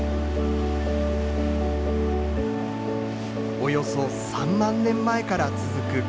およそ３万年前から続く火山活動。